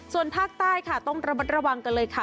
ส่วนภาคใต้ค่ะต้องระมัดระวังกันเลยค่ะ